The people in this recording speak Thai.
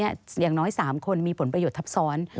อย่างน้อย๓คนมีผลประโยชน์ทับซ้อน